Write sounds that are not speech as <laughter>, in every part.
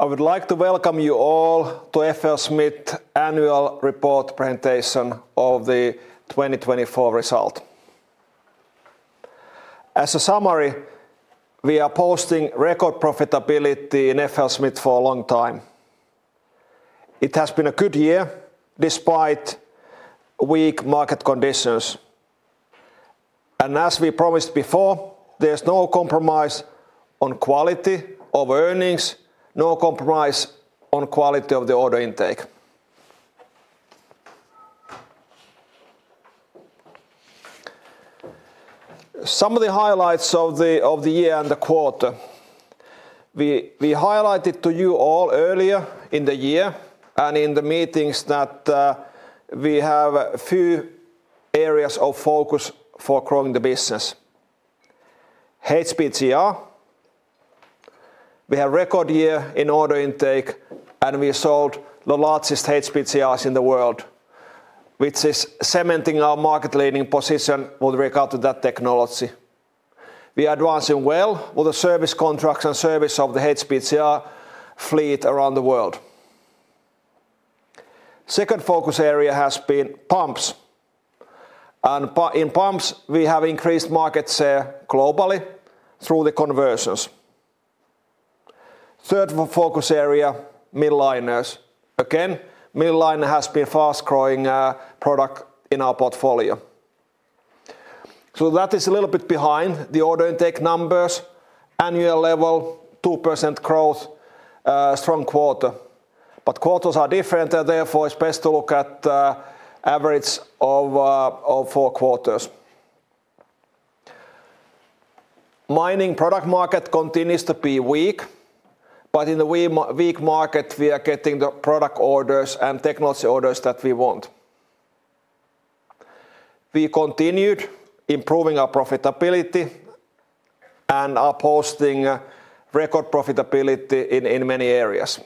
I would like to welcome you all to FLSmidth's annual report presentation of the 2024 result. As a summary, we are posting record profitability in FLSmidth for a long time. It has been a good year despite weak market conditions. And as we promised before, there's no compromise on quality of earnings, no compromise on quality of the order intake. Some of the highlights of the year and the quarter: we highlighted to you all earlier in the year and in the meetings that we have a few areas of focus for growing the business. HPGR: we have a record year in order intake, and we sold the largest HPGRs in the world, which is cementing our market-leading position with regard to that technology. We are advancing well with the service contracts and service of the HPGR fleet around the world. The second focus area has been pumps. And in pumps, we have increased market share globally through the conversions. The third focus area: mill liners. Again, mill liner has been a fast-growing product in our portfolio. So that is a little bit behind the order intake numbers: annual level, 2% growth, strong quarter. But quarters are different, and therefore it's best to look at the average of four quarters. Mining product market continues to be weak, but in the weak market, we are getting the product orders and technology orders that we want. We continued improving our profitability and are posting record profitability in many areas.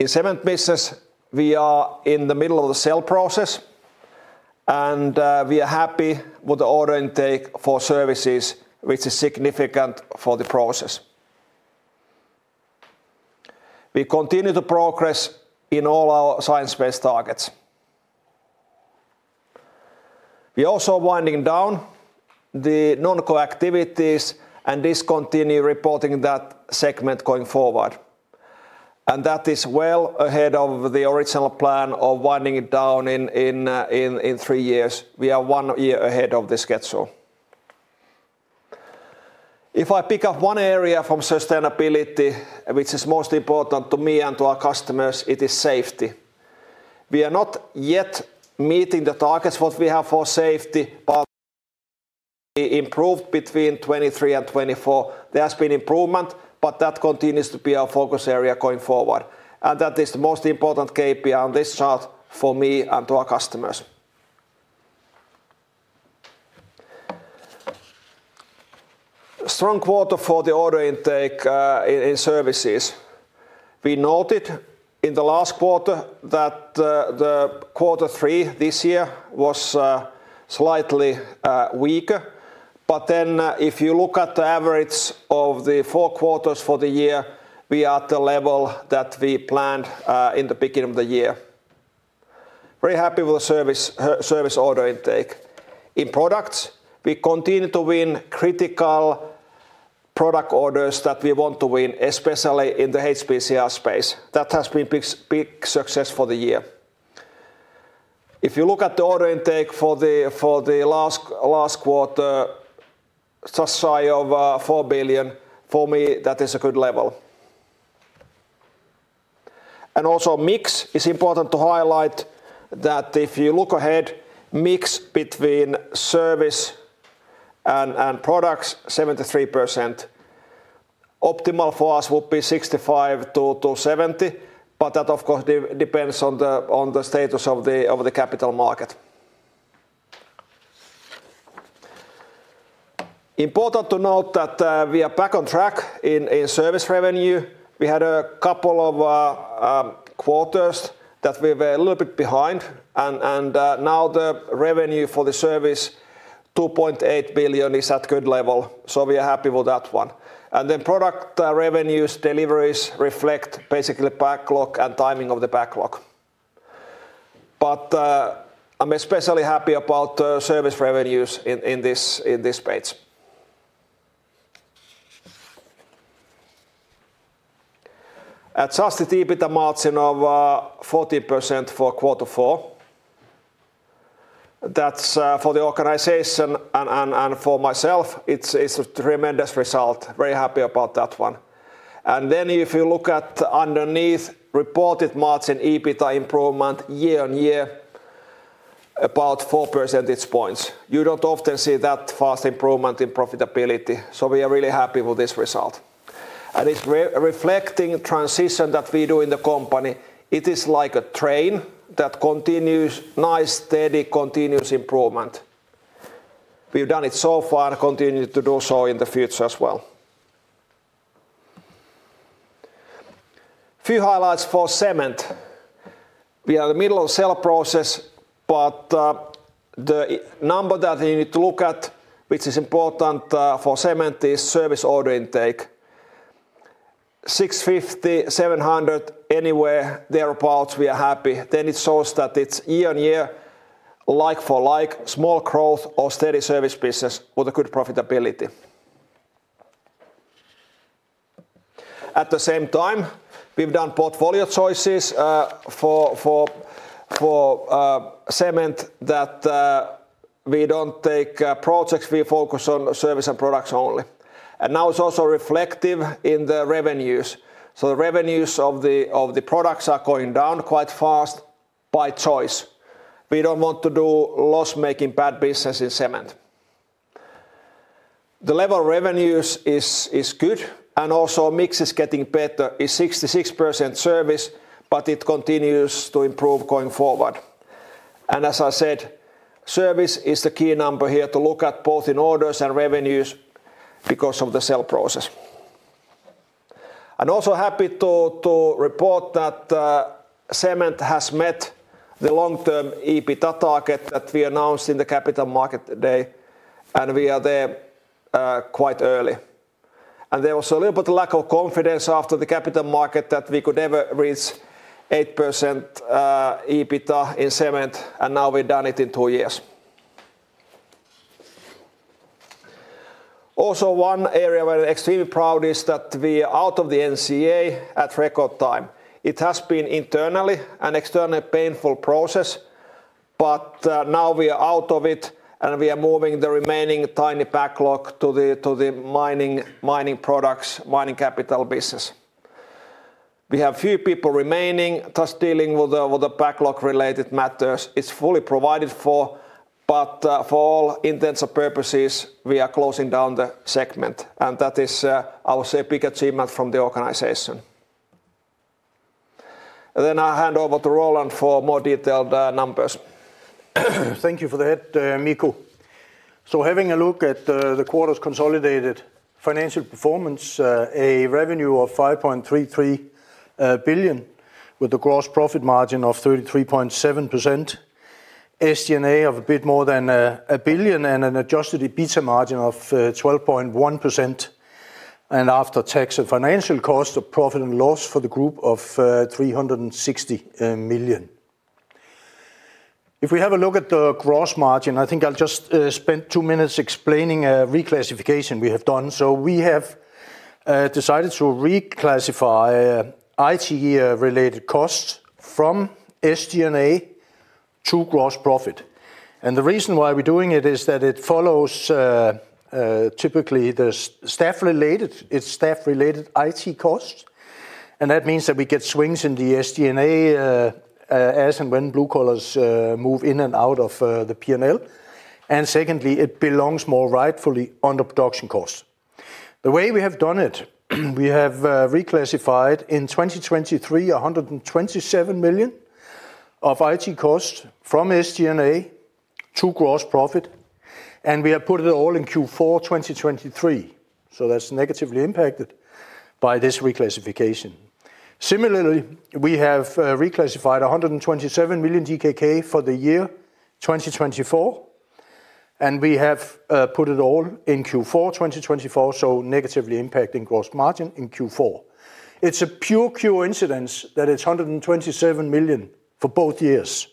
In cement business, we are in the middle of the sale process, and we are happy with the order intake for services, which is significant for the process. We continue to progress in all our science-based targets. We are also winding down the non-core activities and discontinue reporting that segment going forward. That is well ahead of the original plan of winding it down in three years. We are one year ahead of the schedule. If I pick up one area from sustainability, which is most important to me and to our customers, it is safety. We are not yet meeting the targets what we have for safety, but we improved between 2023 and 2024. There has been improvement, but that continues to be our focus area going forward. That is the most important KPI on this chart for me and to our customers. Strong quarter for the order intake in services. We noted in the last quarter that the quarter three this year was slightly weaker. Then if you look at the average of the four quarters for the year, we are at the level that we planned in the beginning of the year. Very happy with the service order intake. In products, we continue to win critical product orders that we want to win, especially in the HPGR space. That has been a big success for the year. If you look at the order intake for the last quarter, just shy of 4 billion, for me that is a good level, and also mix is important to highlight that if you look ahead, mix between service and products, 73%. Optimal for us would be 65%-70%, but that of course depends on the status of the capital market. Important to note that we are back on track in service revenue. We had a couple of quarters that we were a little bit behind, and now the revenue for the service, 2.8 billion, is at a good level, so we are happy with that one. And then product revenues, deliveries reflect basically backlog and timing of the backlog. But I'm especially happy about service revenues in this page. At just above 40% margin for quarter four. That's for the organization and for myself; it's a tremendous result. Very happy about that one. And then if you look at the underneath reported-margin EBITDA improvement year-on-year, about 4 percentage points. You don't often see that fast improvement in profitability. So we are really happy with this result. And it's reflecting the transition that we do in the company. It is like a train that continues nice, steady, continuous improvement. We've done it so far and continue to do so in the future as well. A few highlights for Cement. We are in the middle of the sale process, but the number that you need to look at, which is important for cement, is service order intake. 650-700, anywhere thereabouts, we are happy, then it shows that it's year-on-year, like for like, small growth or steady service business with a good profitability. At the same time, we've done portfolio choices for cement that we don't take projects, we focus on service and products only, and now it's also reflective in the revenues, so the revenues of the products are going down quite fast by choice. We don't want to do loss-making bad business in cement. The level of revenues is good, and also mix is getting better. It's 66% service, but it continues to improve going forward. As I said, service is the key number here to look at both in orders and revenues because of the sale process. I'm also happy to report that cement has met the long-term EBITDA target that we announced in the Capital Markets Day, and we are there quite early. There was a little bit of lack of confidence after the capital market that we could never reach 8% EBITDA in cement, and now we've done it in two years. Also, one area where I'm extremely proud is that we are out of the NCA at record time. It has been internally and externally a painful process, but now we are out of it, and we are moving the remaining tiny backlog to the Mining products, Mining capital business. We have a few people remaining just dealing with the backlog-related matters. It's fully provided for, but for all intents and purposes, we are closing down the segment. And that is, I would say, a big achievement from the organization. Then I'll hand over to Roland for more detailed numbers. Thank you for that, Mikko. So having a look at the quarter's consolidated financial performance, a revenue of 5.33 billion with a gross profit margin of 33.7%, SG&A of a bit more than a billion, and an adjusted EBITDA margin of 12.1%, and after tax and financial cost, a profit and loss for the group of 360 million. If we have a look at the gross margin, I think I'll just spend two minutes explaining a reclassification we have done. So we have decided to reclassify IT-related costs from SG&A to gross profit. And the reason why we're doing it is that it follows typically the staff-related IT costs. And that means that we get swings in the SG&A as and when blue collars move in and out of the P&L. And secondly, it belongs more rightfully under production costs. The way we have done it, we have reclassified in 2023, 127 million of IT costs from SG&A to gross profit, and we have put it all in Q4 2023. So that's negatively impacted by this reclassification. Similarly, we have reclassified 127 million DKK for the year 2024, and we have put it all in Q4 2024, so negatively impacting gross margin in Q4. It's a pure coincidence that it's 127 million for both years.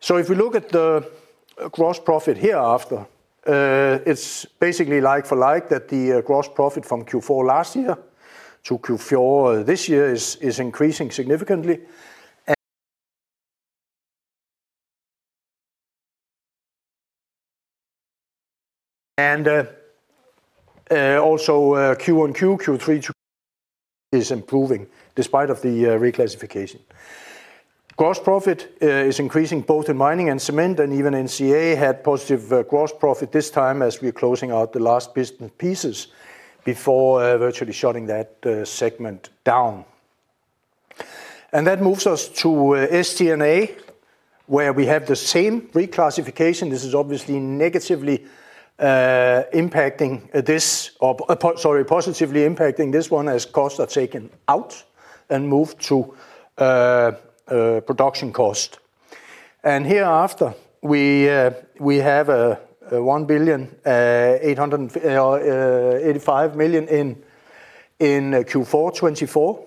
So if we look at the gross profit hereafter, it's basically like for like that the gross profit from Q4 last year to Q4 this year is increasing significantly. And also Q-on-Q, <audio distortion> is improving despite the reclassification. Gross profit is increasing both in Mining and cement, and even NCA had positive gross profit this time as we are closing out the last pieces before virtually shutting that segment down. That moves us to SG&A, where we have the same reclassification. This is obviously negatively impacting this, sorry, positively impacting this one as costs are taken out and moved to production cost. Hereafter, we have 1,885 million DKK in Q4 2024.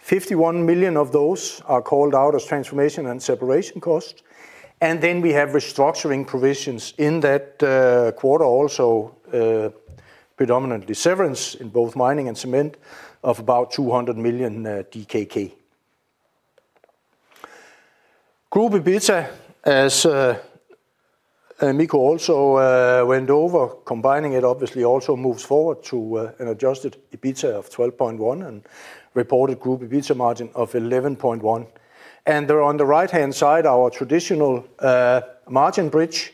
51 million of those are called out as transformation and separation costs. Then we have restructuring provisions in that quarter also, predominantly severance in both Mining and cement of about 200 million DKK. Group EBITDA, as Mikko also went over, combining it obviously also moves forward to an adjusted EBITDA of 12.1% and reported group EBITDA margin of 11.1%. There on the right-hand side, our traditional margin bridge.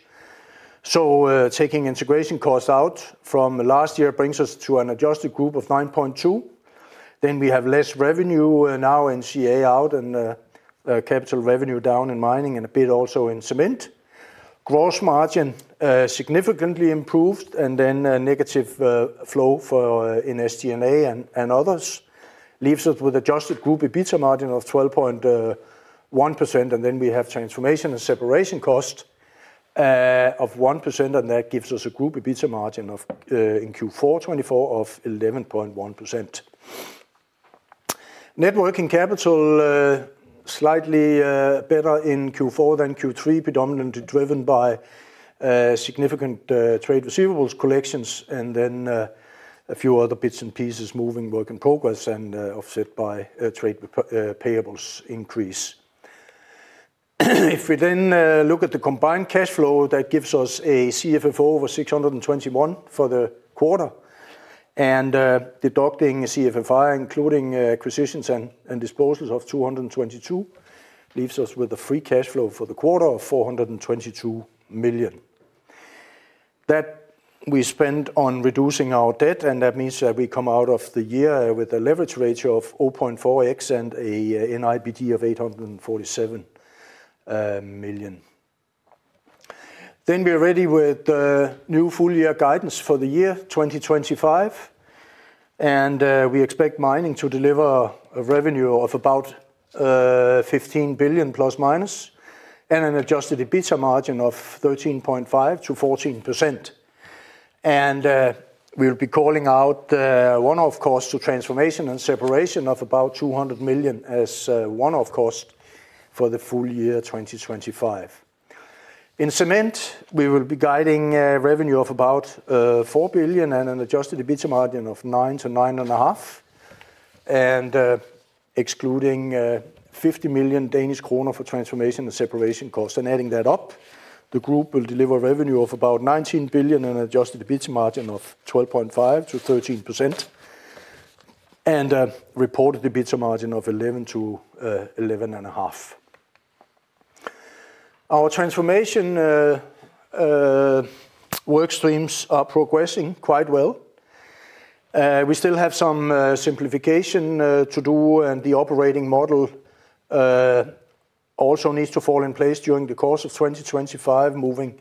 Taking integration cost out from last year brings us to an adjusted group of 9.2%. Then we have less revenue now in NCA out and capital revenue down in Mining and a bit also in cement. Gross margin significantly improved and then negative flow in SG&A and others leaves us with adjusted group EBITDA margin of 12.1%. We have transformation and separation cost of 1%, and that gives us a group EBITDA margin in Q4 2024 of 11.1%. Net working capital slightly better in Q4 than Q3, predominantly driven by significant trade receivables collections and then a few other bits and pieces moving work in progress and offset by trade payables increase. If we then look at the combined cash flow, that gives us a CFFO of 621 million for the quarter. Deducting CFFI, including acquisitions and disposals of 222 million, leaves us with a free cash flow for the quarter of 422 million. That we spend on reducing our debt, and that means that we come out of the year with a leverage ratio of 0.4x and an NIBD of 847 million. We're ready with the new full-year guidance for the year 2025, and we expect Mining to deliver a revenue of about 15 billion plus minus and an adjusted EBITDA margin of 13.5%-14%. We will be calling out one-off costs to transformation and separation of about 200 million as one-off cost for the full year 2025. In cement, we will be guiding a revenue of about 4 billion and an adjusted EBITDA margin of 9%-9.5%. And excluding 50 million Danish kroner for transformation and separation costs and adding that up, the group will deliver a revenue of about 19 billion and an adjusted EBITDA margin of 12.5%-13% and a reported EBITDA margin of 11%-11.5%. Our transformation work streams are progressing quite well. We still have some simplification to do, and the operating model also needs to fall in place during the course of 2025, moving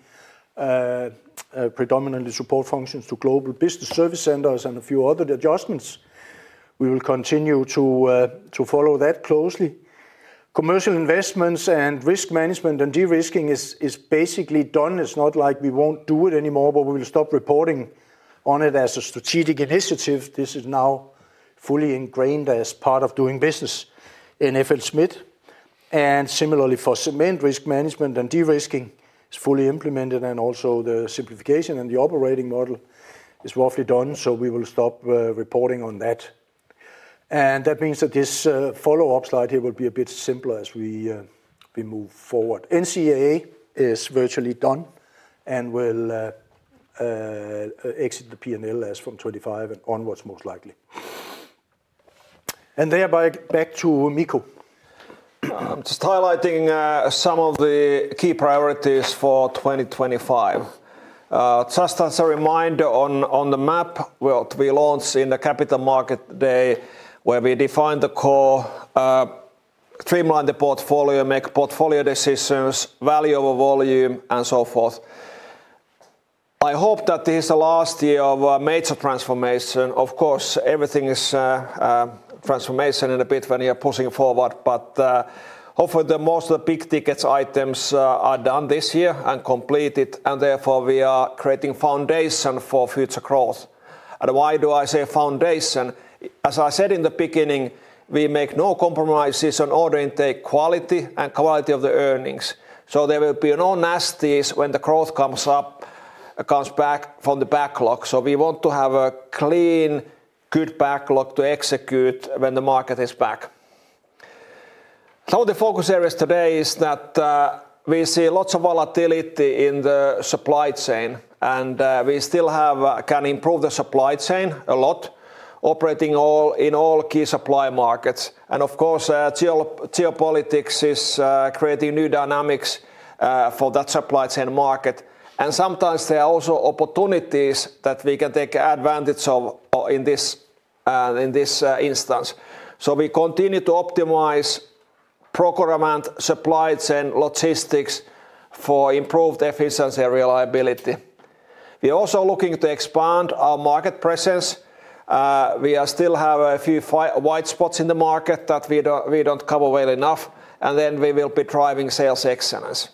predominantly support functions to global business service centers and a few other adjustments. We will continue to follow that closely. Commercial investments and risk management and de-risking is basically done. It's not like we won't do it anymore, but we will stop reporting on it as a strategic initiative. This is now fully ingrained as part of doing business in FLSmidth. And similarly for cement, risk management and de-risking is fully implemented, and also the simplification and the operating model is roughly done, so we will stop reporting on that. And that means that this follow-up slide here will be a bit simpler as we move forward. NCA is virtually done and will exit the P&L as from 2025 and onwards most likely. And thereby back to Mikko. I'm just highlighting some of the key priorities for 2025. Just as a reminder on the map, what we launched in the Capital Markets Day where we defined the core, streamlined the portfolio, made portfolio decisions, value over volume, and so forth. I hope that this is the last year of major transformation. Of course, everything is transformation in a bit when you're pushing forward, but hopefully most of the big ticket items are done this year and completed, and therefore we are creating foundation for future growth, and why do I say foundation? As I said in the beginning, we make no compromises on order intake quality and quality of the earnings, so there will be no nasties when the growth comes back from the backlog, so we want to have a clean, good backlog to execute when the market is back. Some of the focus areas today is that we see lots of volatility in the supply chain, and we still can improve the supply chain a lot, operating in all key supply markets, and of course, geopolitics is creating new dynamics for that supply chain market, and sometimes there are also opportunities that we can take advantage of in this instance, so we continue to optimize procurement, supply chain, logistics for improved efficiency and reliability. We are also looking to expand our market presence. We still have a few white spots in the market that we don't cover well enough, and then we will be driving sales excellence.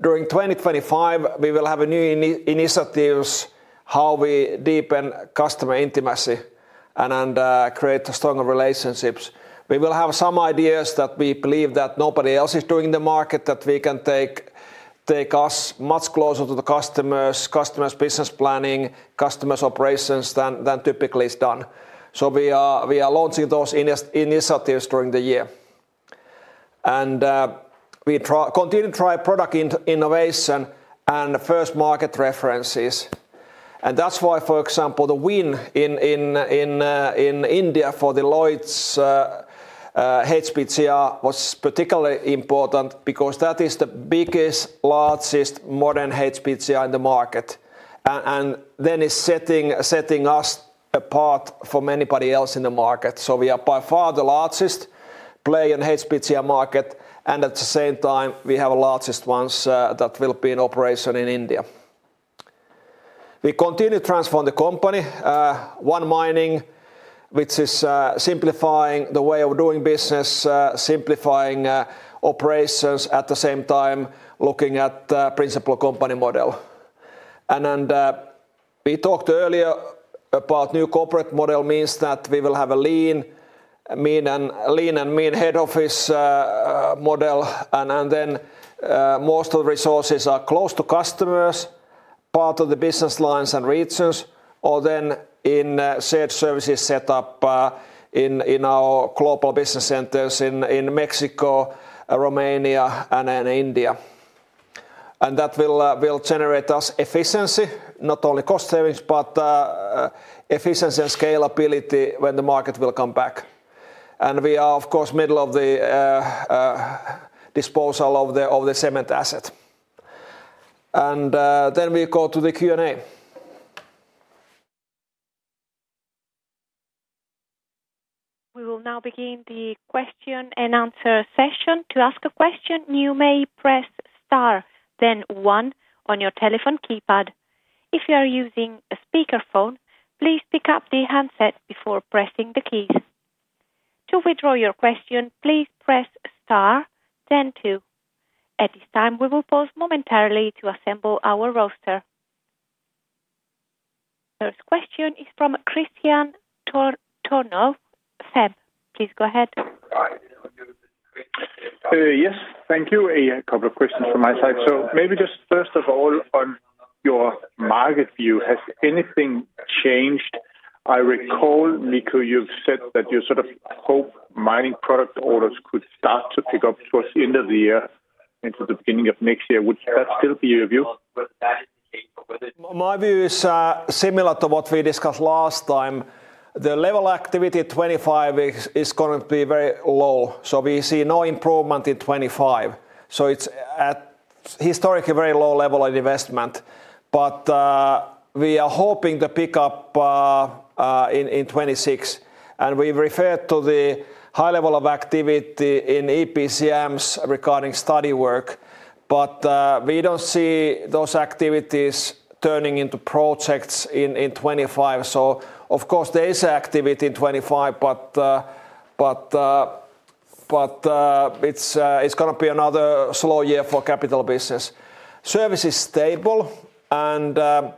During 2025, we will have new initiatives how we deepen customer intimacy and create stronger relationships. We will have some ideas that we believe that nobody else is doing in the market that can take us much closer to the customers, customers' business planning, customers' operations than typically is done. So we are launching those initiatives during the year. And we continue to try product innovation and first market references. And that's why, for example, the win in India for the Lloyds HPGR was particularly important because that is the biggest, largest modern HPGR in the market. And then it's setting us apart from anybody else in the market. So we are by far the largest player in the HPGR market, and at the same time, we have the largest ones that will be in operation in India. We continue to transform the company. In Mining, which is simplifying the way of doing business, simplifying operations at the same time, looking at the principal company model. And we talked earlier about new corporate model means that we will have a lean and mean head office model, and then most of the resources are close to customers, part of the business lines and regions, or then in shared services setup in our global business centers in Mexico, Romania, and India. And that will generate us efficiency, not only cost savings, but efficiency and scalability when the market will come back. And we are, of course, in the middle of the disposal of the cement asset. And then we go to the Q&A. We will now begin the question and answer session. To ask a question, you may press Star, then One on your telephone keypad. If you are using a speakerphone, please pick up the handset before pressing the keys. To withdraw your question, please press Star, then Two. At this time, we will pause momentarily to assemble our roster. First question is from Kristian Tornøe, SEB. Please go ahead. Yes, thank you. A couple of questions from my side. So maybe just first of all, on your market view, has anything changed? I recall, Mikko, you've said that you sort of hope Mining product orders could start to pick up towards the end of the year into the beginning of next year. Would that still be your view? My view is similar to what we discussed last time. The level of activity in 2025 is going to be very low, so we see no improvement in 2025. It's at historically very low level of investment, but we are hoping to pick up in 2026, and we refer to the high level of activity in EPCMs regarding study work. But we don't see those activities turning into projects in 2025, so of course, there is activity in 2025, but it's going to be another slow year for capital business. Service is stable, but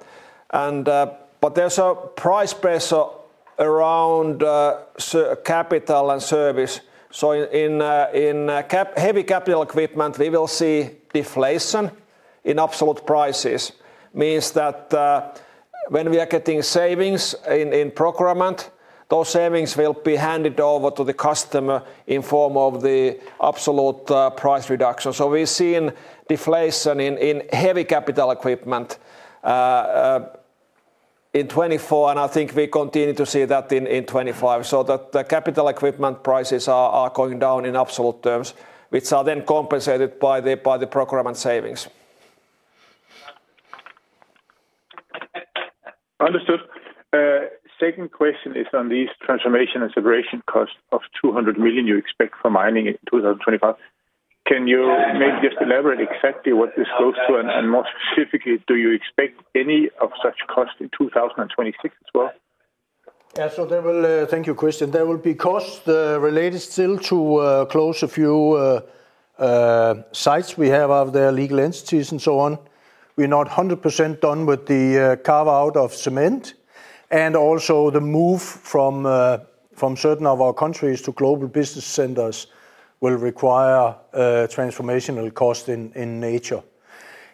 there's a price pressure around capital and service. So in heavy capital equipment, we will see deflation in absolute prices. Means that when we are getting savings in procurement, those savings will be handed over to the customer in form of the absolute price reduction. So we've seen deflation in heavy capital equipment in 2024, and I think we continue to see that in 2025. So the capital equipment prices are going down in absolute terms, which are then compensated by the procurement savings. Understood. Second question is on these transformation and separation costs of 200 million you expect for Mining in 2025. Can you maybe just elaborate exactly what this goes to, and more specifically, do you expect any of such costs in 2026 as well? Yeah, so there will, thank you, Kristian. There will be costs related still to close a few sites we have out there, legal entities and so on. We're not 100% done with the carve-out of cement. And also the move from certain of our countries to global business centers will require transformational costs in nature.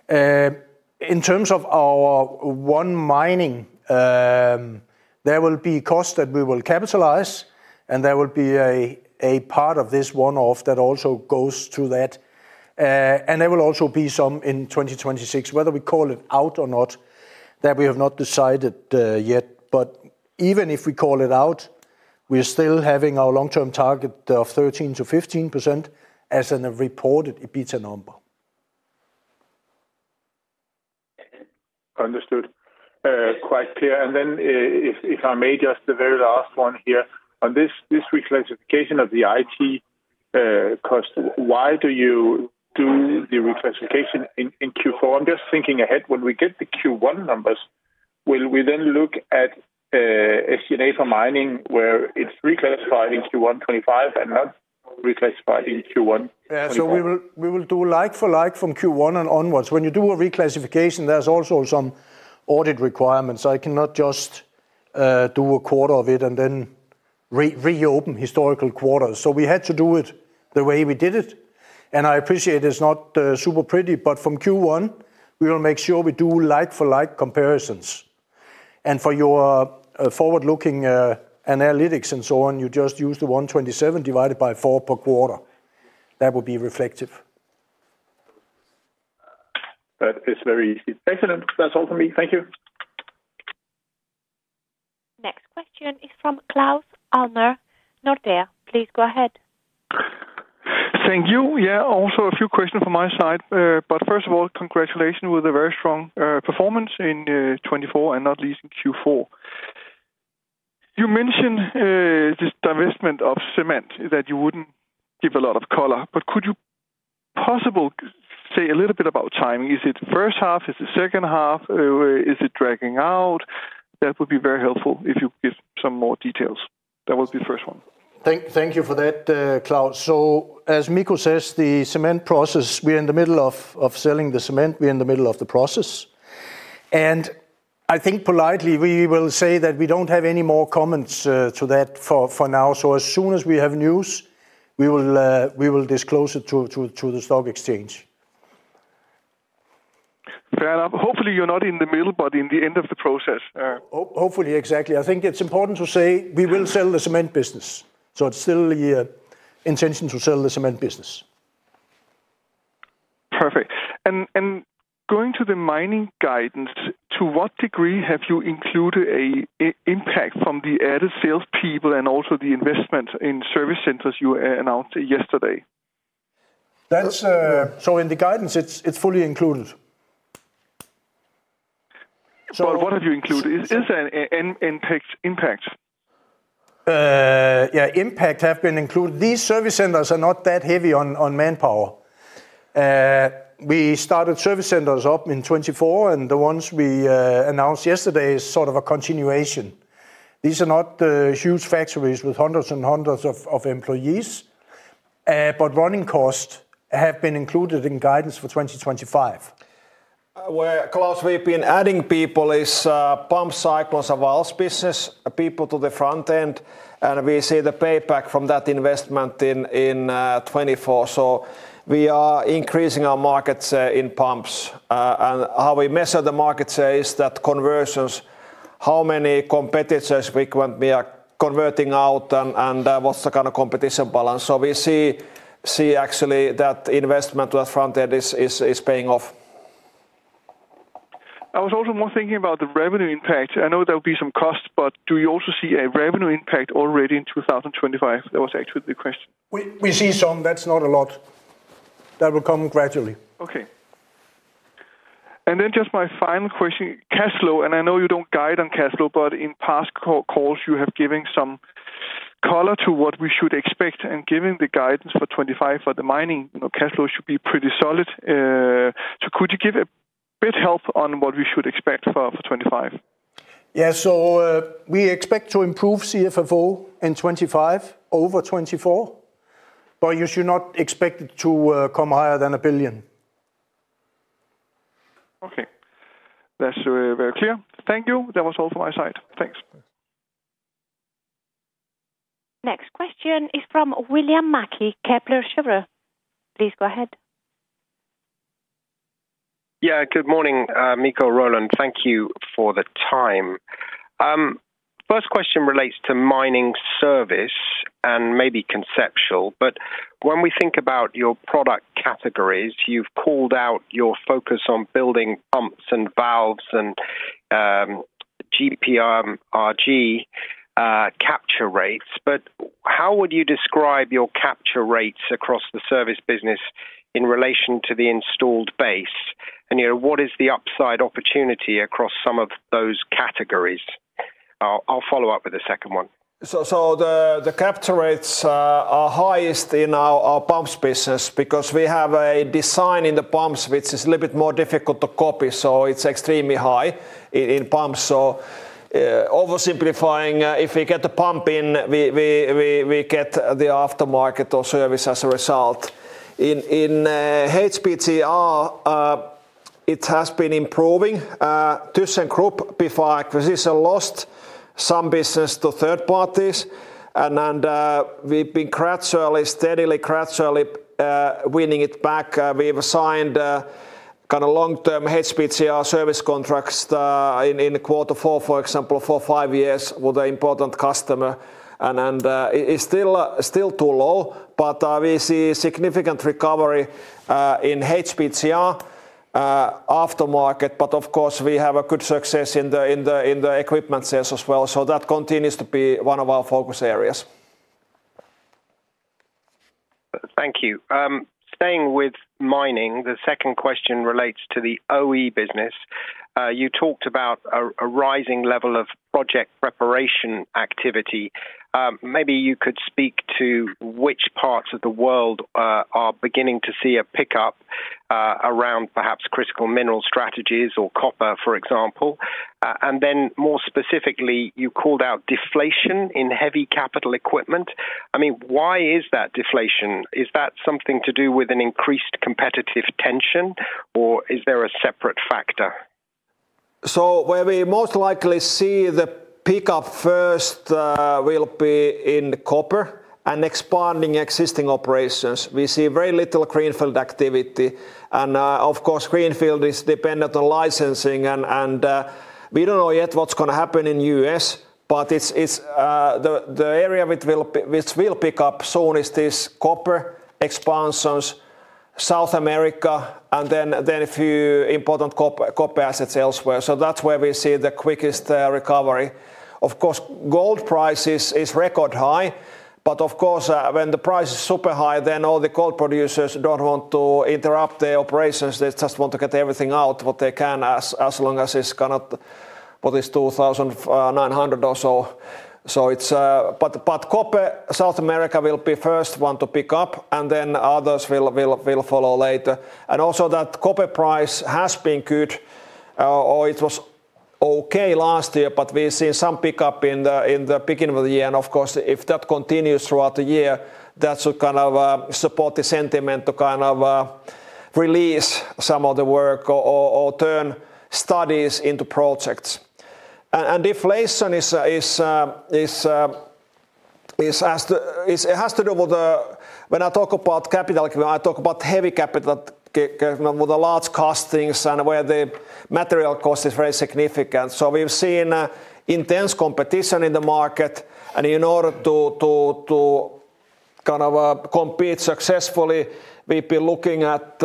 In terms of our Mining, there will be costs that we will capitalize, and there will be a part of this one-off that also goes to that. And there will also be some in 2026, whether we call it out or not, that we have not decided yet. But even if we call it out, we're still having our long-term target of 13%-15% as a reported EBITDA number. Understood. Quite clear. And then if I may just the very last one here. On this reclassification of the IT cost, why do you do the reclassification in Q4? I'm just thinking ahead. When we get the Q1 numbers, will we then look at SG&A for Mining where it's reclassified in Q1 2025 and not reclassified in Q1? Yeah, so we will do like for like from Q1 and onwards. When you do a reclassification, there's also some audit requirements. I cannot just do a quarter of it and then reopen historical quarters. So we had to do it the way we did it. And I appreciate it's not super pretty, but from Q1, we will make sure we do like for like comparisons. And for your forward-looking analytics and so on, you just use the 127 divided by 4 per quarter. That would be reflective. That is very excellent. That's all from me. Thank you. Next question is from Claus Almer, Nordea. Please go ahead. Thank you. Yeah, also a few questions from my side. But first of all, congratulations with a very strong performance in 2024 and not least in Q4. You mentioned this divestment of cement that you wouldn't give a lot of color. But could you possibly say a little bit about timing? Is it first half? Is it second half? Is it dragging out? That would be very helpful if you could give some more details. That would be the first one. Thank you for that, Claus. So as Mikko says, the cement process, we are in the middle of selling the cement. We are in the middle of the process. And I think politely, we will say that we don't have any more comments to that for now. So as soon as we have news, we will disclose it to the stock exchange. Fair enough. Hopefully, you're not in the middle, but in the end of the process. Hopefully, exactly. I think it's important to say we will sell the cement business. So it's still the intention to sell the cement business. Perfect. Going to the Mining guidance, to what degree have you included an impact from the added salespeople and also the investment in service centers you announced yesterday? In the guidance, it's fully included. So what have you included? Is there an impact? Yeah, impact has been included. These service centers are not that heavy on manpower. We started service centers up in 2024, and the ones we announced yesterday are sort of a continuation. These are not huge factories with hundreds and hundreds of employees. But running costs have been included in guidance for 2025. Claus, where we've been adding people is pumps, cyclones, a valves business, people to the front end, and we see the payback from that investment in 2024, so we are increasing our market share in pumps, and how we measure the market share is that conversions, how many competitors we currently are converting out and what's the kind of competition balance, so we see actually that investment to the front end is paying off. I was also more thinking about the revenue impact. I know there will be some costs, but do you also see a revenue impact already in 2025? That was actually the question. We see some. That's not a lot. That will come gradually. Okay. And then just my final question, cash flow. And I know you don't guide on cash flow, but in past calls, you have given some color to what we should expect, and given the guidance for 2025 for the Mining, cash flow should be pretty solid. So could you give a bit of help on what we should expect for 2025? Yeah, so we expect to improve CFFO in 2025 over 2024. But you should not expect it to come higher than 1 billion. Okay. That's very clear. Thank you. That was all from my side. Thanks. Next question is from William Mackie, Kepler Cheuvreux. Please go ahead. Yeah, good morning, Mikko and Roland. Thank you for the time. First question relates to Mining service and maybe conceptual. But when we think about your product categories, you've called out your focus on building pumps and valves and HPGR capture rates. But how would you describe your capture rates across the service business in relation to the installed base? And what is the upside opportunity across some of those categories? I'll follow up with the second one. So the capture rates are highest in our pumps business because we have a design in the pumps, which is a little bit more difficult to copy. So it's extremely high in pumps. So oversimplifying, if we get the pump in, we get the aftermarket or service as a result. In HPGR, it has been improving. ThyssenKrupp, before acquisition, lost some business to third parties. And we've been gradually, steadily winning it back. We've signed kind of long-term HPGR service contracts in quarter four, for example, for five years with an important customer. And it's still too low, but we see significant recovery in HPGR aftermarket. But of course, we have a good success in the equipment sales as well. So that continues to be one of our focus areas. Thank you. Staying with Mining, the second question relates to the OE business. You talked about a rising level of project preparation activity. Maybe you could speak to which parts of the world are beginning to see a pickup around perhaps critical mineral strategies or copper, for example. And then more specifically, you called out deflation in heavy capital equipment. I mean, why is that deflation? Is that something to do with an increased competitive tension, or is there a separate factor? So where we most likely see the pickup first will be in copper and expanding existing operations. We see very little greenfield activity. And of course, greenfield is dependent on licensing. And we don't know yet what's going to happen in the U.S. But the area which will pick up soon is these copper expansions, South America, and then a few important copper assets elsewhere. So that's where we see the quickest recovery. Of course, gold price is record high. But of course, when the price is super high, then all the gold producers don't want to interrupt their operations. They just want to get everything out what they can as long as it's kind of what is 2,900 or so. But copper, South America will be the first one to pick up, and then others will follow later. And also that copper price has been good. It was okay last year, but we've seen some pickup in the beginning of the year. And of course, if that continues throughout the year, that should kind of support the sentiment to kind of release some of the work or turn studies into projects. And deflation has to do with when I talk about capital equipment. I talk about heavy capital equipment with the large castings and where the material cost is very significant. So we've seen intense competition in the market. And in order to kind of compete successfully, we've been looking at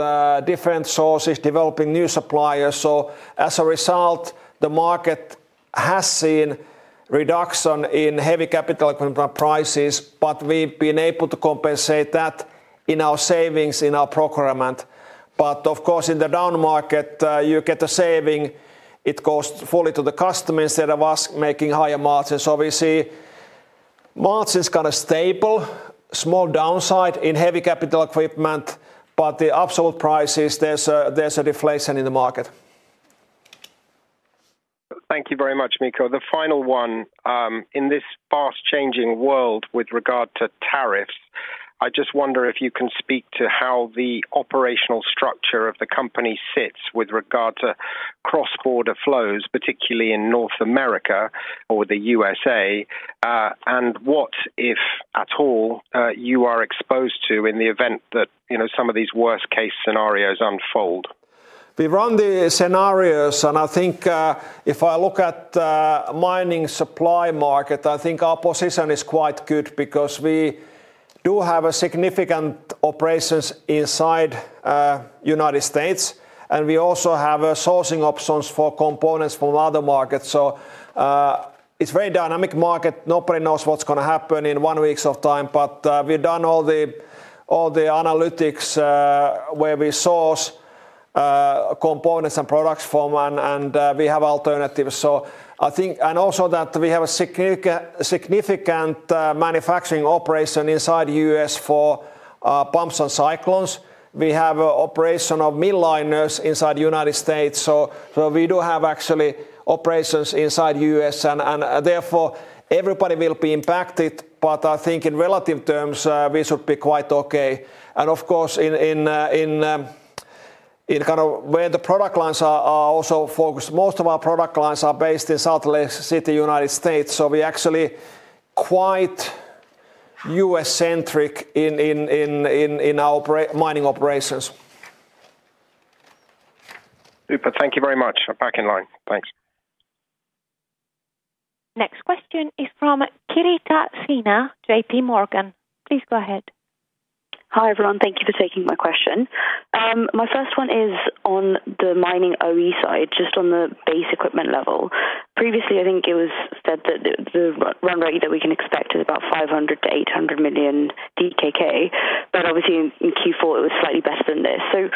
different sources, developing new suppliers. So as a result, the market has seen reduction in heavy capital equipment prices, but we've been able to compensate that in our savings in our procurement. But of course, in the down market, you get a saving. It goes fully to the customer instead of us making higher margins. So we see margins kind of stable, small downside in heavy capital equipment, but the absolute price is, there's a deflation in the market. Thank you very much, Mikko. The final one. In this fast-changing world with regard to tariffs, I just wonder if you can speak to how the operational structure of the company sits with regard to cross-border flows, particularly in North America or the USA. And what, if at all, you are exposed to in the event that some of these worst-case scenarios unfold? Beyond the scenarios, and I think if I look at the Mining supply market, I think our position is quite good because we do have significant operations inside the United States. And we also have sourcing options for components from other markets. So it's a very dynamic market. Nobody knows what's going to happen in one week's time. But we've done all the analytics where we source components and products from, and we have alternatives. So I think, and also that we have a significant manufacturing operation inside the U.S. for pumps and cyclones. We have an operation of mill liners inside the United States. So we do have actually operations inside the U.S.. And therefore, everybody will be impacted. But I think in relative terms, we should be quite okay. Of course, in kind of where the product lines are also focused, most of our product lines are based in southern cities in the United States. We're actually quite U.S.-centric in our Mining operations. Super. Thank you very much. I'm back in line. Thanks. Next question is from Chitrita Sinha, J.P. Morgan. Please go ahead. Hi everyone. Thank you for taking my question. My first one is on the Mining OE side, just on the base equipment level. Previously, I think it was said that the run rate that we can expect is about 500 million-800 million DKK. But obviously, in Q4, it was slightly better than this. So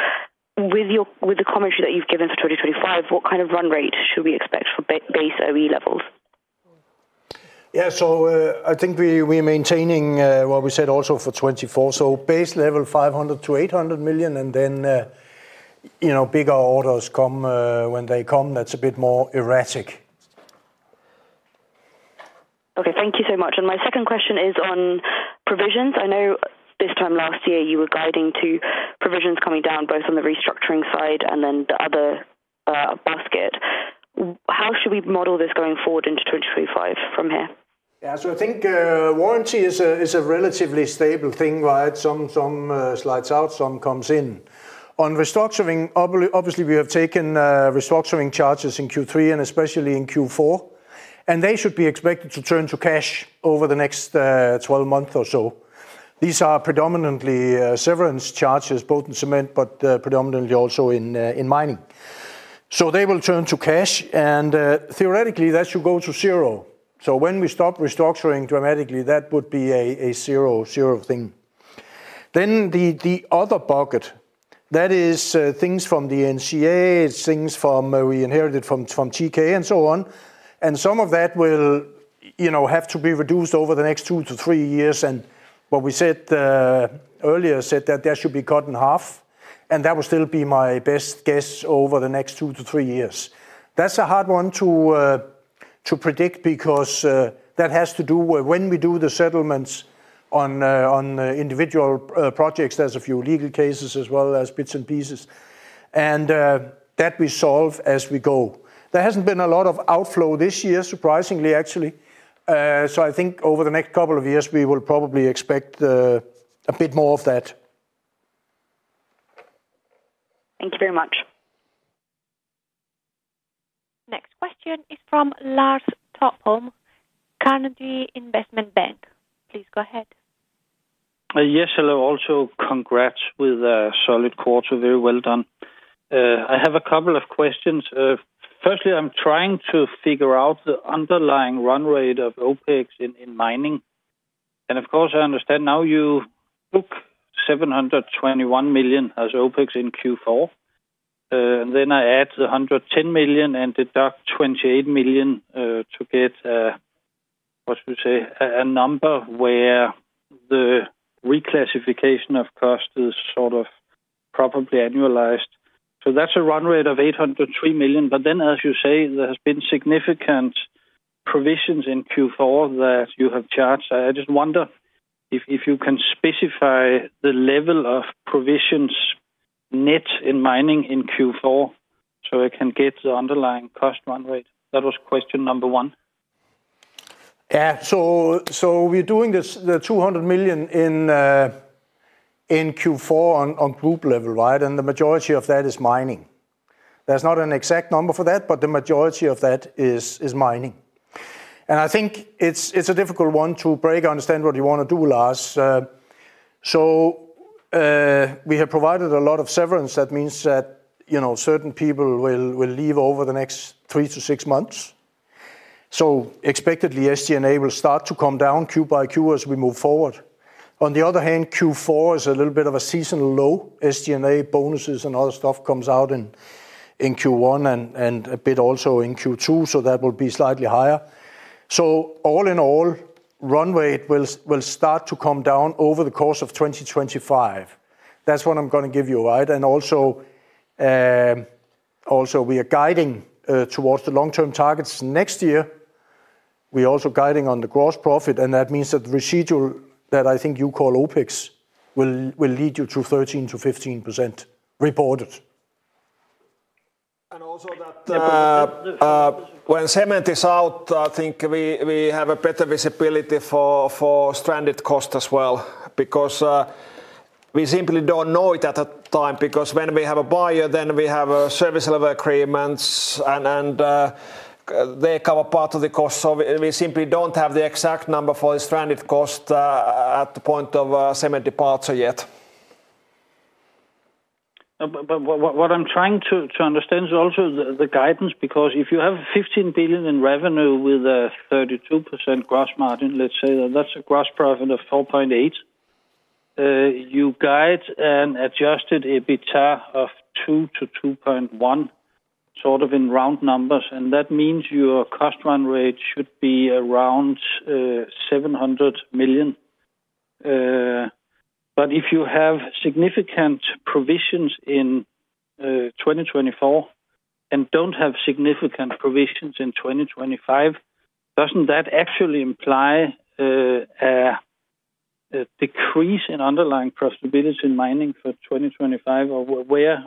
with the commentary that you've given for 2025, what kind of run rate should we expect for base OE levels? Yeah, so I think we're maintaining what we said also for 2024. So base level 500 million-800 million, and then bigger orders come when they come. That's a bit more erratic. Okay, thank you so much. And my second question is on provisions. I know this time last year, you were guiding to provisions coming down both on the restructuring side and then the other basket. How should we model this going forward into 2025 from here? Yeah, so I think warranty is a relatively stable thing, right? Some slides out, some comes in. On restructuring, obviously, we have taken restructuring charges in Q3 and especially in Q4. And they should be expected to turn to cash over the next 12 months or so. These are predominantly severance charges, both in cement, but predominantly also in Mining. So they will turn to cash. And theoretically, that should go to zero. So when we stop restructuring dramatically, that would be a zero thing. Then the other bucket, that is things from the NCA, things from we inherited from TK and so on. And some of that will have to be reduced over the next two to three years. And what we said earlier, said that that should be cut in half. And that will still be my best guess over the next two to three years. That's a hard one to predict because that has to do with when we do the settlements on individual projects. There's a few legal cases as well as bits and pieces. And that we solve as we go. There hasn't been a lot of outflow this year, surprisingly, actually. So I think over the next couple of years, we will probably expect a bit more of that. Thank you very much. Next question is from Lars Topholm, Carnegie Investment Bank. Please go ahead. Yes, hello. Also congrats with a solid quarter. Very well done. I have a couple of questions. Firstly, I'm trying to figure out the underlying run rate of OpEx in Mining. And of course, I understand now you took 721 million as OpEx in Q4. And then I add the 110 million and deduct 28 million to get, what would you say, a number where the reclassification of cost is sort of probably annualized. So that's a run rate of 803 million. But then, as you say, there have been significant provisions in Q4 that you have charged. I just wonder if you can specify the level of provisions net in Mining in Q4 so I can get the underlying cost run rate. That was question number one. Yeah, so we're doing 200 million in Q4 on group level, right? And the majority of that is Mining. There's not an exact number for that, but the majority of that is Mining. And I think it's a difficult one to break. I understand what you want to do, Lars. So we have provided a lot of severance. That means that certain people will leave over the next three to six months. So expectedly, SG&A will start to come down Q by Q as we move forward. On the other hand, Q4 is a little bit of a seasonal low. SG&A bonuses and other stuff comes out in Q1 and a bit also in Q2, so that will be slightly higher. So all in all, run rate will start to come down over the course of 2025. That's what I'm going to give you, right? Also we are guiding towards the long-term targets next year. We're also guiding on the gross profit. That means that the residual that I think you call OpEx will lead you to 13%-15% reported. And also that, When cement is out, I think we have a better visibility for stranded cost as well because we simply don't know it at that time because when we have a buyer, then we have service level agreements and they cover part of the cost. So we simply don't have the exact number for the stranded cost at the point of cement departure yet. What I'm trying to understand is also the guidance because if you have 15 billion in revenue with a 32% gross margin, let's say that's a gross profit of 4.8 billion, you guide an Adjusted EBITDA of 2-2.1 billion, sort of in round numbers. And that means your cost run rate should be around 700 million. But if you have significant provisions in 2024 and don't have significant provisions in 2025, doesn't that actually imply a decrease in underlying profitability in Mining for 2025? Or where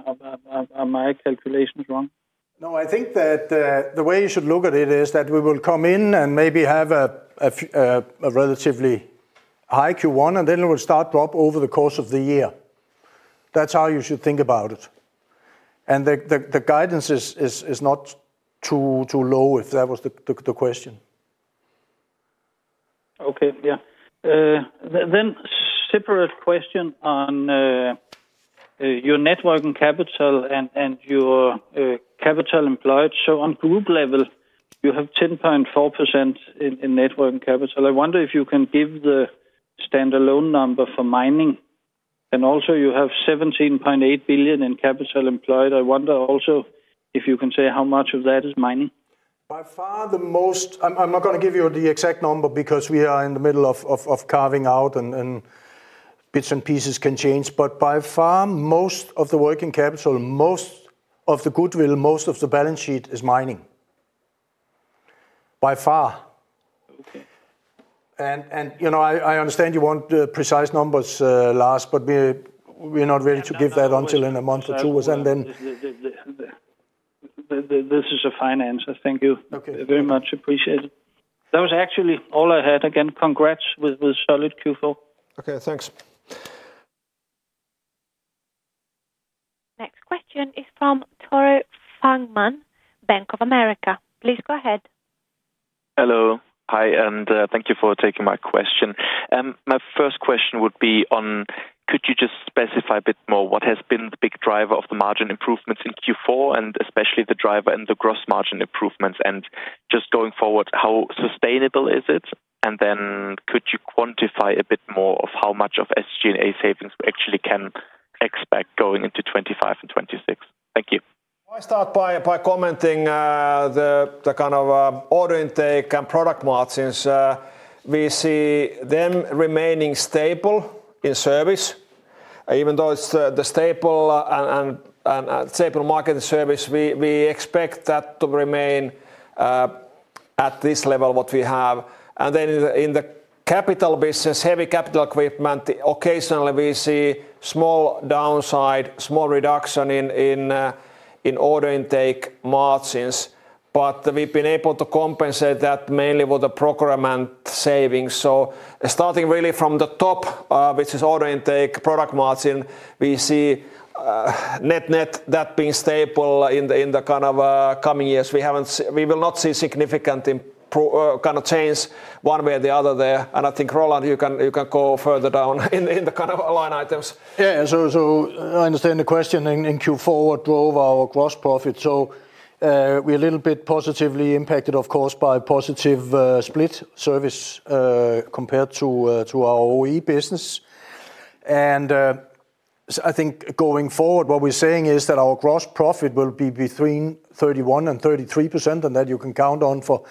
are my calculations wrong? No, I think that the way you should look at it is that we will come in and maybe have a relatively high Q1, and then it will start to drop over the course of the year. That's how you should think about it. And the guidance is not too low if that was the question. Okay, yeah. Then separate question on your net working capital and your capital employed. So on group level, you have 10.4% in net working capital. I wonder if you can give the standalone number for Mining. And also you have 17.8 billion in capital employed. I wonder also if you can say how much of that is Mining. By far the most, I'm not going to give you the exact number because we are in the middle of carving out, and bits and pieces can change, but by far, most of the working capital, most of the goodwill, most of the balance sheet is Mining. By far, and I understand you want precise numbers, Lars, but we're not ready to give that until in a month or two, and then. This is fine. I thank you very much. Appreciate it. That was actually all I had. Again, congrats with solid Q4. Okay, thanks. Next question is from Tore Fangmann, Bank of America. Please go ahead. Hello. Hi, and thank you for taking my question. My first question would be on, could you just specify a bit more what has been the big driver of the margin improvements in Q4, and especially the driver in the gross margin improvements? And just going forward, how sustainable is it? And then could you quantify a bit more of how much of SG&A savings we actually can expect going into 2025 and 2026? Thank you. I start by commenting the kind of order intake and product margins. We see them remaining stable in service, even though it's the stable market service, we expect that to remain at this level what we have, and then in the capital business, heavy capital equipment, occasionally we see small downside, small reduction in order intake margins, but we've been able to compensate that mainly with the procurement savings, so starting really from the top, which is order intake, product margin, we see net-net that being stable in the kind of coming years. We will not see significant kind of change one way or the other there, and I think Roland, you can go further down in the kind of line items. Yeah, so I understand the question. In Q4, what drove our gross profit? So we're a little bit positively impacted, of course, by positive split service compared to our OE business. And I think going forward, what we're saying is that our gross profit will be between 31%-33%, and that you can count on for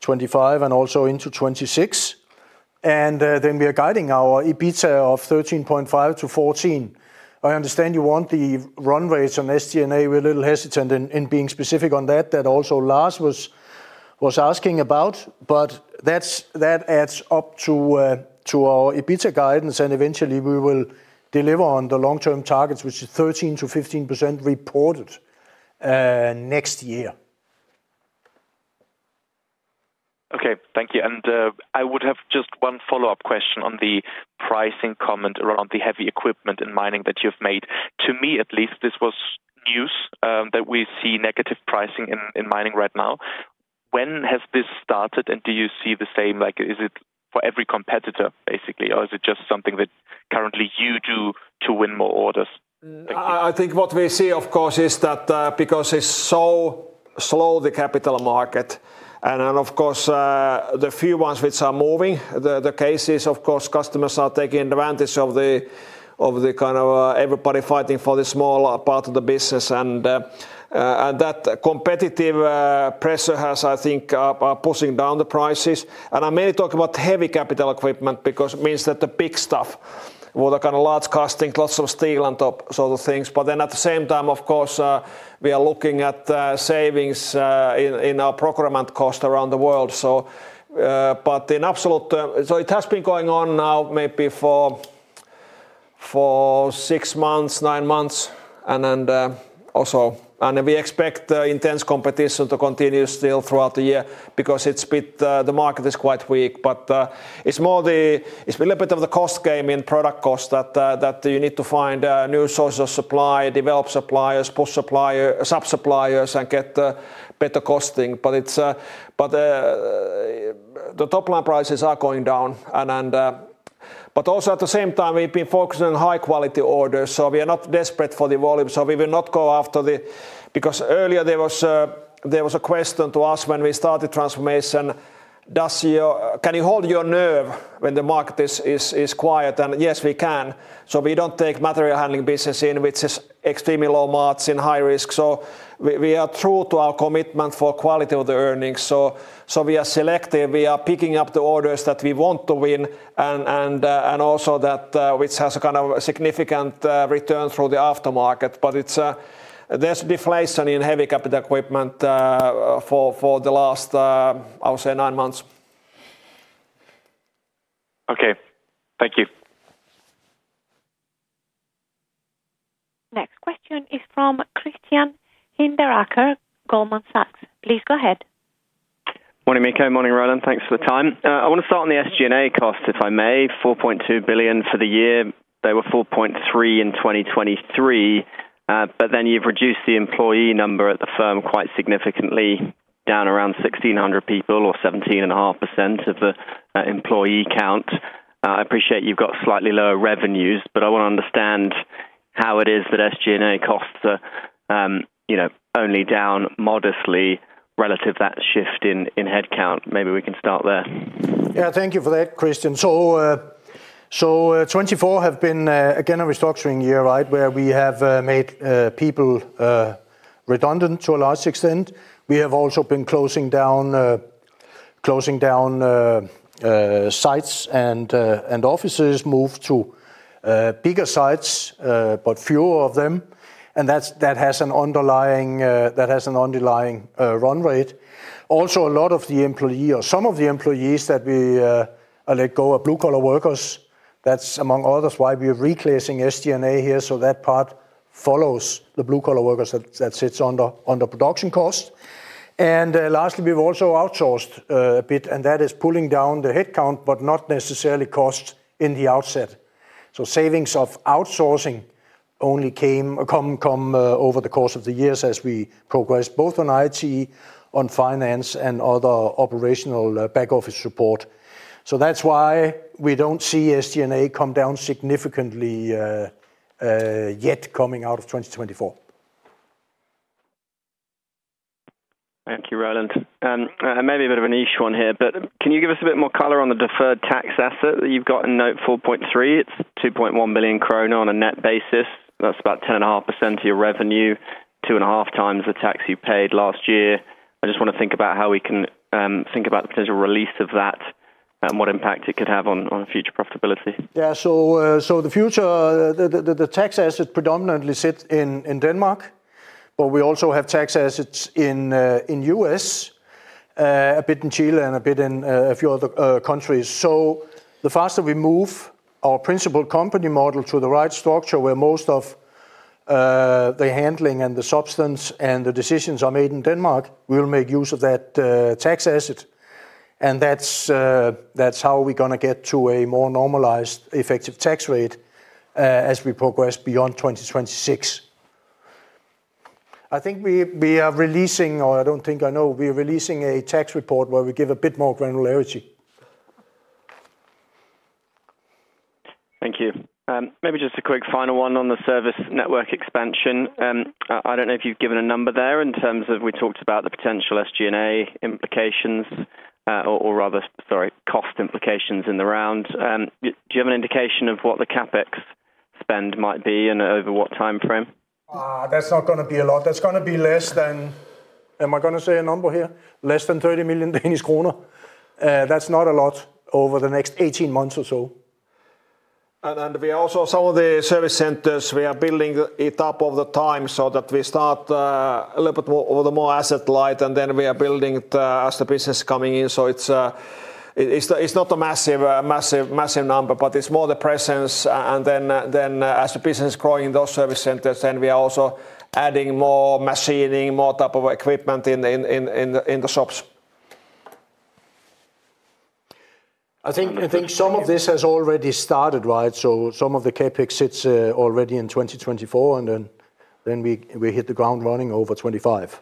2025 and also into 2026. And then we are guiding our EBITDA to 13.5%-14%. I understand you want the run rates on SG&A. We're a little hesitant in being specific on that. That also Lars was asking about. But that adds up to our EBITDA guidance, and eventually we will deliver on the long-term targets, which is 13%-15% reported next year. Okay, thank you. And I would have just one follow-up question on the pricing comment around the heavy equipment in Mining that you've made. To me, at least, this was news that we see negative pricing in Mining right now. When has this started, and do you see the same? Is it for every competitor, basically, or is it just something that currently you do to win more orders? I think what we see, of course, is that because it's so slow, the capital market, and of course, the few ones which are moving, the case is, of course, customers are taking advantage of the kind of everybody fighting for the small part of the business. And that competitive pressure has, I think, pushing down the prices. And I'm mainly talking about heavy capital equipment because it means that the big stuff, with the kind of large casting, lots of steel and sort of things. But then at the same time, of course, we are looking at savings in our procurement cost around the world. But in absolute, so it has been going on now maybe for six months, nine months. And we expect intense competition to continue still throughout the year because the market is quite weak. But it's more the little bit of the cost game in product cost that you need to find new sources of supply, develop suppliers, sub-suppliers, and get better costing. But the top line prices are going down. But also at the same time, we've been focusing on high-quality orders. So we are not desperate for the volume. So we will not go after the because earlier there was a question to us when we started transformation, can you hold your nerve when the market is quiet? And yes, we can. So we don't take material handling business in, which is extremely low margin high risk. So we are true to our commitment for quality of the earnings. So we are selective. We are picking up the orders that we want to win and also that which has a kind of significant return through the aftermarket. But there's deflation in heavy capital equipment for the last, I would say, nine months. Okay, thank you. Next question is from Christian Hinderaker, Goldman Sachs. Please go ahead. Morning, Mikko. Morning, Roland. Thanks for the time. I want to start on the SG&A cost, if I may. 4.2 billion for the year. They were 4.3 billion in 2023. But then you've reduced the employee number at the firm quite significantly, down around 1600 people or 17.5% of the employee count. I appreciate you've got slightly lower revenues, but I want to understand how it is that SG&A costs are only down modestly relative to that shift in headcount. Maybe we can start there. Yeah, thank you for that, Christian. So 24 have been, again, a restructuring year, right, where we have made people redundant to a large extent. We have also been closing down sites and offices, moved to bigger sites, but fewer of them. And that has an underlying run rate. Also, a lot of the employees, or some of the employees that we let go, are blue-collar workers. That's among others why we are replacing SG&A here. So that part follows the blue-collar workers that sits under production cost. And lastly, we've also outsourced a bit, and that is pulling down the headcount, but not necessarily cost in the outset. So savings of outsourcing only came over the course of the years as we progressed both on IT, on finance, and other operational back-office support. So that's why we don't see SG&A come down significantly yet coming out of 2024. Thank you, Roland. And maybe a bit of a niche one here, but can you give us a bit more color on the deferred tax asset that you've got in note 4.3? It's 2.1 billion krone on a net basis. That's about 10.5% of your revenue, two and a half times the tax you paid last year. I just want to think about how we can think about the potential release of that and what impact it could have on future profitability. Yeah, so the future, the tax asset predominantly sits in Denmark, but we also have tax assets in the U.S., a bit in Chile, and a bit in a few other countries. So the faster we move our principal company model to the right structure where most of the handling and the substance and the decisions are made in Denmark, we will make use of that tax asset. And that's how we're going to get to a more normalized effective tax rate as we progress beyond 2026. I think we are releasing, or I don't think I know, we are releasing a tax report where we give a bit more granularity. Thank you. Maybe just a quick final one on the service network expansion. I don't know if you've given a number there in terms of we talked about the potential SG&A implications or rather, sorry, cost implications in the round. Do you have an indication of what the CapEx spend might be and over what time frame? That's not going to be a lot. That's going to be less than, am I going to say a number here, less than 30 million Danish kroner. That's not a lot over the next 18 months or so. We also have some of the service centers we are building it up over time so that we start a little bit more with a more asset-light, and then we are building it as the business is coming in. So it's not a massive number, but it's more the presence. Then as the business is growing, those service centers, then we are also adding more machining, more type of equipment in the shops. I think some of this has already started, right? So some of the CapEx sits already in 2024, and then we hit the ground running over 2025.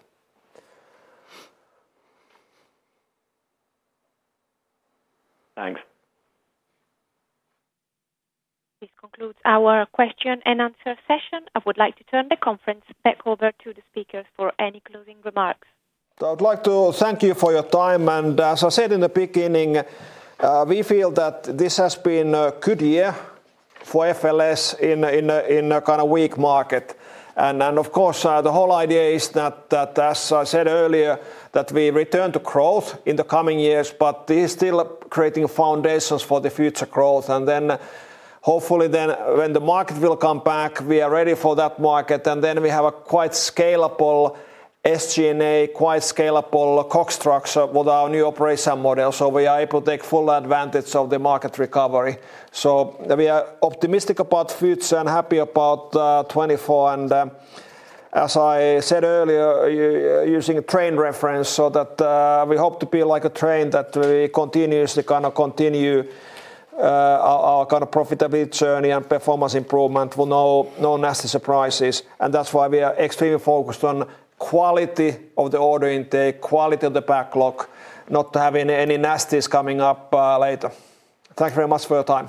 Thanks. This concludes our question and answer session. I would like to turn the conference back over to the speakers for any closing remarks. I would like to thank you for your time, and as I said in the beginning, we feel that this has been a good year for FLS in a kind of weak market. And of course, the whole idea is that, as I said earlier, that we return to growth in the coming years, but this is still creating foundations for the future growth, and then hopefully when the market will come back, we are ready for that market, and then we have a quite scalable SG&A, quite scalable COGS structure with our new operating model, so we are able to take full advantage of the market recovery, so we are optimistic about the future and happy about 2024. And as I said earlier, using a train reference, so that we hope to be like a train that we continuously kind of continue our kind of profitability journey and performance improvement with no nasty surprises. And that's why we are extremely focused on quality of the order intake, quality of the backlog, not having any nasty coming up later. Thank you very much for your time.